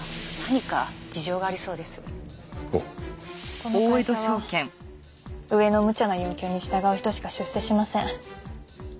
この会社は上のむちゃな要求に従う人しか出世しません。